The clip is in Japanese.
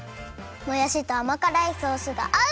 もやしとあまからいソースがあう！